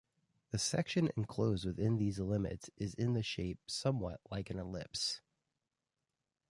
The section enclosed within these limits is in shape somewhat like an ellipse.